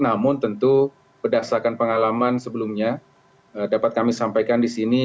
namun tentu berdasarkan pengalaman sebelumnya dapat kami sampaikan di sini